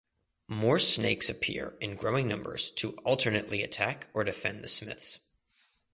More snakes appear in growing numbers to alternately attack or defend the Smiths.